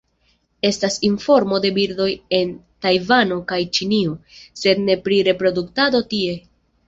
Estas informo de birdoj en Tajvano kaj Ĉinio, sed ne pri reproduktado tie.